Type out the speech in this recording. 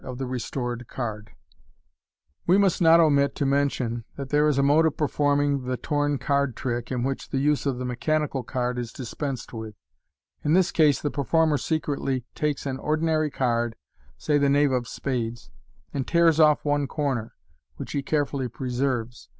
of the restored card. MODERN MAGIC, We must not omit to mention that there is a mode of performing the "torn card" trick in which the use of the mechanical card it dispensed with. In this case the performer secretly takes an ordinary card, say the knave of spades, and tears off one corner, which he care fully preserves.